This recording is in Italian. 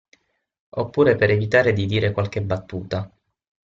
Oppure per evitare di dire qualche battuta.